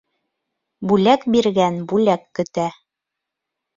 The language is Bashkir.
Бүләк биргән бүләк көтә.